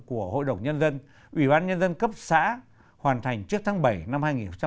của hội đồng nhân dân ủy ban nhân dân cấp xã hoàn thành trước tháng bảy năm hai nghìn hai mươi